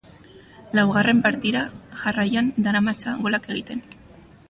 Laugarren partida jarraian daramatza golak egiten.